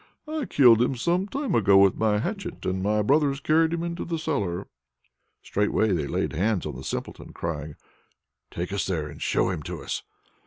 "I killed him some time ago with my hatchet, and my brothers carried him into the cellar." Straightway they laid hands on the Simpleton, crying, "Take us there and show him to us."